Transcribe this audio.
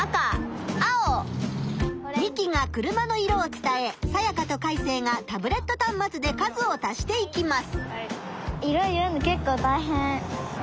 ミキが車の色を伝えサヤカとカイセイがタブレットたんまつで数を足していきます。